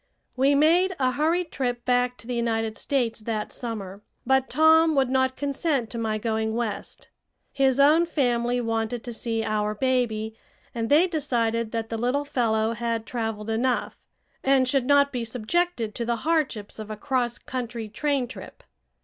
We made a hurried trip back to the United States that summer, but Tom would not consent to my going West. His own family wanted to see our baby, and they decided that the little fellow had traveled enough and should not be subjected to the hardships of a cross country train trip.